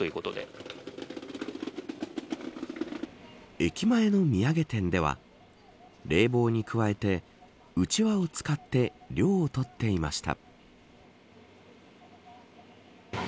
駅前の土産店では冷房に加えてうちわを使って涼を取っていました。